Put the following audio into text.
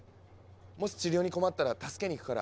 もし治療に困ったら助けに行くから。